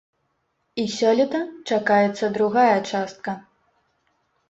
І сёлета чакаецца другая частка.